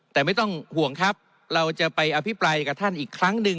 แต่ไม่ต้องห่วงครับเราจะไปอภิปรายกับท่านอีกครั้งหนึ่ง